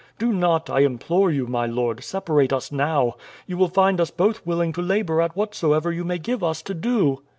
Do not, I implore you, my lord, separate us now. You will find us both willing to labor at whatsoever you may give us to do."